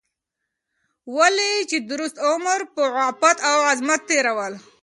ولې چې درست عمر په عفت او عصمت تېرول